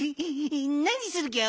なにするギャオ？